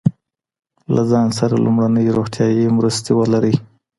له ځان سره لومړنۍ روغتیایی مرستې ولرئ.